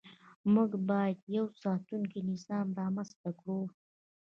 موږ باید یو ساتونکی نظام رامنځته کړو.